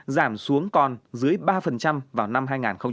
giảm xuống còn dưới ba vào năm hai nghìn hai mươi